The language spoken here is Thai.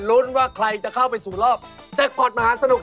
รุ้นว่าใครจะเข้าไปสู่รอบแจ็คพอร์ตมหาสนุก